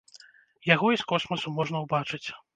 Яго і з космасу можна ўбачыць.